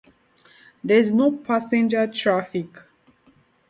There is no passenger traffic.